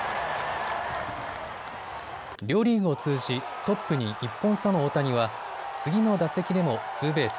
両リーグを通じトップに１本差の大谷は次の打席でもツーベース。